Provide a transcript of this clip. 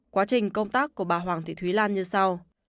quá trình công tác của bà hoàng thị thúy lan như sau